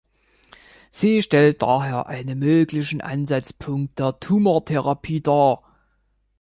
Sie stellt daher einen möglichen Ansatzpunkt der Tumortherapie dar.